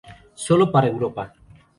Sólo para Europa.